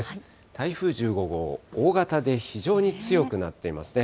台風１５号、大型で非常に強くなっていますね。